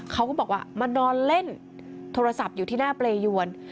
เขาก็บอกว่ามานอนเล่นโทรศัพท์อยู่ที่หน้าเปรยวน